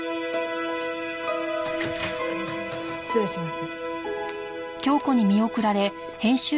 失礼します。